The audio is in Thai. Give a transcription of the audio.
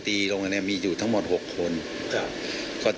หากผู้ต้องหารายใดเป็นผู้กระทำจะแจ้งข้อหาเพื่อสรุปสำนวนต่อพนักงานอายการจังหวัดกรสินต่อไป